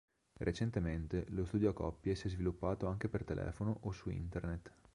Recentemente, lo studio a coppie si è sviluppato anche per telefono o su Internet.